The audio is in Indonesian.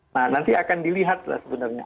nah nanti akan dilihat lah sebenarnya